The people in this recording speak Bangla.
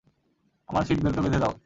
আমার সিট বেল্টও বেঁধে দাও।